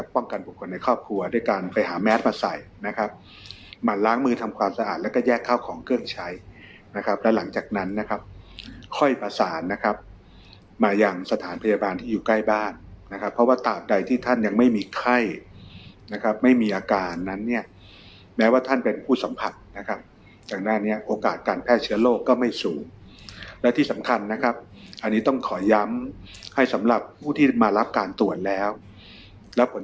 ป้องกันบุคคลในครอบครัวด้วยการไปหาแมทมาใส่นะครับมาล้างมือทำความสะอาดแล้วก็แยกข้าวของเครื่องใช้นะครับแล้วหลังจากนั้นนะครับค่อยประสานนะครับมาอย่างสถานพยาบาลที่อยู่ใกล้บ้านนะครับเพราะว่าตามใดที่ท่านยังไม่มีไข้นะครับไม่มีอาการนั้นเนี้ยแม้ว่าท่านเป็นผู้สำคัญนะครับจากหน้านี้โอกาสการแพร่เ